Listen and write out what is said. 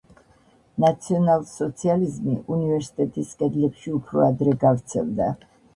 ნაციონალ-სოციალიზმი უნივერსიტეტის კედლებში უფრო ადრე გავრცელდა.